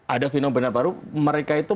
ada fenomena baru mereka itu